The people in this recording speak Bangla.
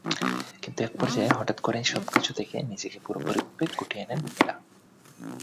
কিন্তু একপর্যায়ে হঠাৎ করেই সবকিছু থেকে নিজেকে পুরোপুরিভাবে গুটিয়ে নেন মিলা।